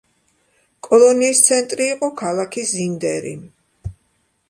კოლონიის ცენტრი იყო ქალაქი ზინდერი.